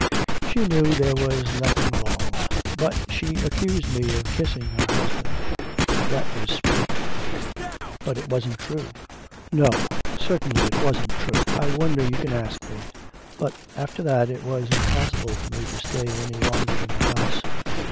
'She knew there was nothing wrong.... But she accused me of kissing her husband; that was spite.' 'But it wasn't true?' 'No; certainly it wasn't true. I wonder you can ask me. But, after that, it was impossible for me to stay any longer in the house.'